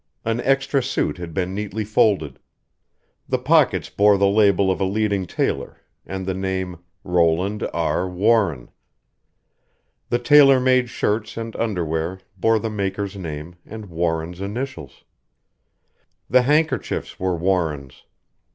An extra suit had been neatly folded. The pockets bore the label of a leading tailor, and the name "Roland R. Warren." The tailor made shirts and underwear bore the maker's name and Warren's initials. The handkerchiefs were Warren's.